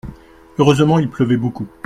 Heureusement il pleuvait beaucoup.